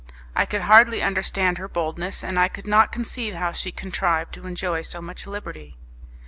I could hardly understand her boldness, and I could not conceive how she contrived to enjoy so much liberty.